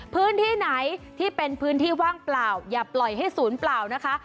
พื้นที่ไหนที่เป็นพื้นที่ว่างเปล่าอย่าปล่อยให้ศูนย์เปล่านะคะ